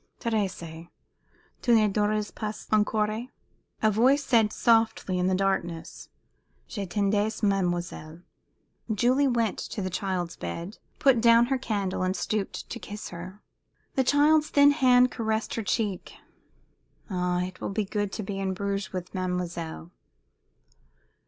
"Thérèse! tu ne dors pas encore?" A voice said, softly, in the darkness, "Je t'attendais, mademoiselle." Julie went to the child's bed, put down her candle, and stooped to kiss her. The child's thin hand caressed her cheek. "Ah, it will be good to be in Bruges with mademoiselle."